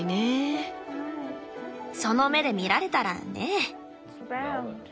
その目で見られたらねぇ。